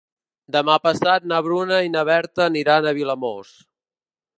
Demà passat na Bruna i na Berta aniran a Vilamòs.